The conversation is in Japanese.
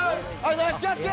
ナイスキャッチ。